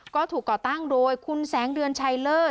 ก็ถูกก่อตั้งโดยคุณแสงเดือนชัยเลิศ